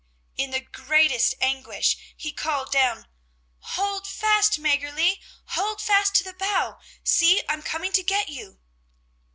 In the greatest anguish he called down: "Hold fast, Mäggerli, hold fast to the bough! See, I am coming to get you!"